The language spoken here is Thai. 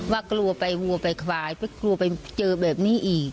ว่ากลัวไปวัวไปควายไปกลัวไปเจอแบบนี้อีก